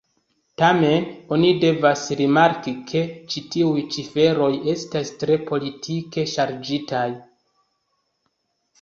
Tamen, oni devas rimarki ke ĉi tiuj ciferoj estas tre politike ŝarĝitaj.